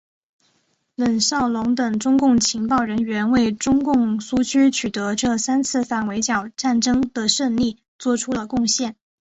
冷少农等中共情报人员为中央苏区取得这三次反围剿战争的胜利作出了贡献。